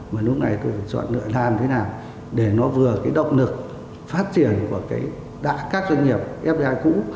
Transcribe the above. mà lúc này tôi phải chọn lựa làm thế nào để nó vừa cái động lực phát triển của các doanh nghiệp fdi cũ